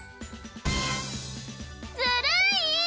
ずるい！